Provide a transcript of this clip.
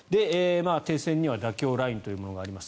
停戦には妥協ラインというものがあります。